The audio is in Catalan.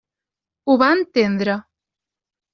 Ho va entendre.